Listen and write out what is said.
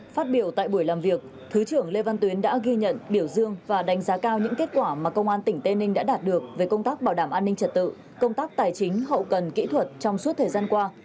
phát biểu tại buổi làm việc thứ trưởng lê văn tuyến đã ghi nhận biểu dương và đánh giá cao những kết quả mà công an tỉnh tây ninh đã đạt được về công tác bảo đảm an ninh trật tự công tác tài chính hậu cần kỹ thuật trong suốt thời gian qua